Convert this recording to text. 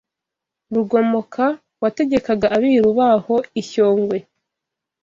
Rugomoka wategekaga abiru baho i Shyogwe